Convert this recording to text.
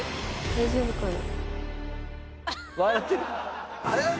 大丈夫かな？